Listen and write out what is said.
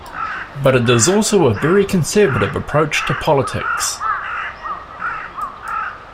But it is also a very conservative approach to politics.